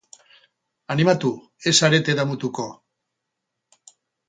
Animatu, ez zarete damutuko!